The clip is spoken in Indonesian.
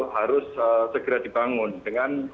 harus segera dibangun dengan